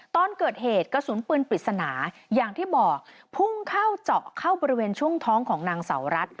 ตอนเกิดเหตุกระสุนปืนปริศนาอย่างที่บอกพุ่งเข้าเจาะเข้าบริเวณช่วงท้องของนางเสารัฐ